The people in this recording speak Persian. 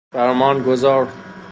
فرمان گزار